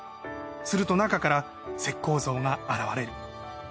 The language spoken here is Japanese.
すると中から石膏像が現れる。